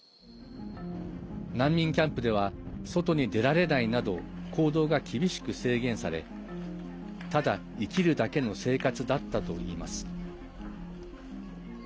難民キャンプでは外に出られないなど行動が厳しく制限されただ生きるだけの生活だったといいます。